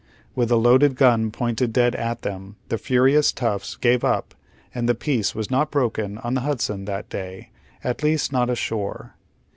With the loaded gun pointed dead at them, the furious toughs gave iip and the peace was not broken on the Hudson that day, at least not ashore.